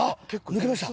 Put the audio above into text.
抜けました。